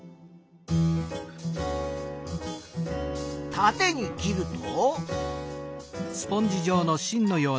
たてに切ると。